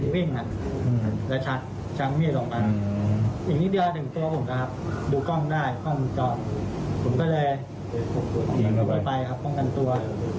ผมก็เลยหนีไปครับป้องกันตัว